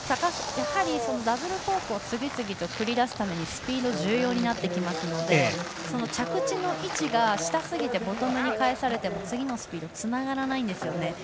やはり、ダブルコークを次々と繰り出すためにスピードが重要になるので着地の位置が下すぎて、ボトムに返されても次のスピードにつながらないんですよね。